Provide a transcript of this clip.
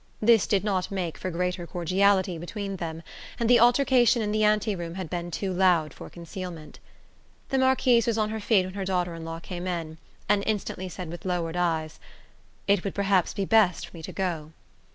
This did not make for greater cordiality between them, and the altercation in the anteroom had been too loud for concealment. The Marquise was on her feet when her daughter in law came in, and instantly said with lowered eyes: "It would perhaps be best for me to go."